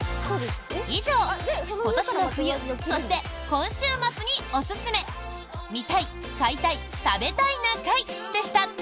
以上、今年の冬そして今週末におすすめ「見たい買いたい食べたいな会」でした。